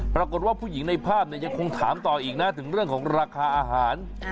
ปรากฏว่าผู้หญิงในภาพยังคงถามต่ออีกนะถึงเรื่องของราคาอาหาร